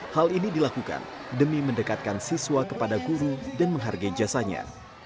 hal ini dilakukan demi mendekatkan siswa kepada guru dan menghargai jasanya